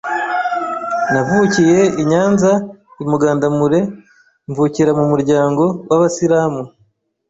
navukiye i Nyanza i Mugandamure, mvukira mu muryango w’ Abasilamu.